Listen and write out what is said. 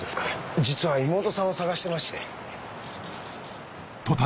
実は妹さんを捜してまして。